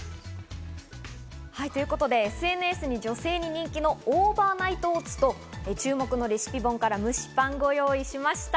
ということでＳＮＳで女性に人気のオーバーナイトオーツと、注目のレシピ本から蒸しパンをご用意しました。